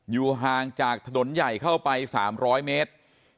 อยู่ห่างจากถนนใหญ่เข้าไป๓๐๐เมตร